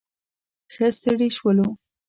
ښه ستړي شولو.